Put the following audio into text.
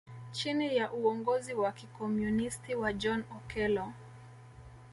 Chini ya uongozi wa kikomunisti wa John Okelo